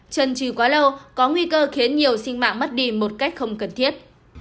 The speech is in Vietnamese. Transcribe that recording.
trần trừ quá lâu có nguy cơ khiến nhiều sinh mạng mất đi một cách không cần thiết